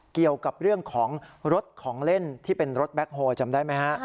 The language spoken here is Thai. เกี่ยวกับเรื่องของรถของเล่นที่เป็นรถแบ็คโฮลจำได้ไหมฮะ